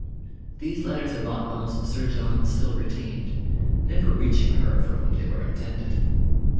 These letters of Otwell's Sir John still retained, never reaching her for whom they were intended.